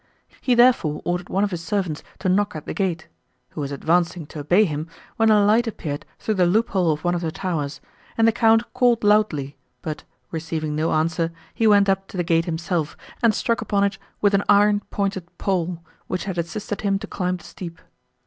He, therefore, ordered one of his servants to knock at the gate, who was advancing to obey him, when a light appeared through the loop hole of one of the towers, and the Count called loudly, but, receiving no answer, he went up to the gate himself, and struck upon it with an iron pointed pole, which had assisted him to climb the steep.